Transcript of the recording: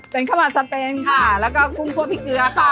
เป็นข้าวอาซาเปนค่ะแล้วก็กุ้งคั่วพริเกือก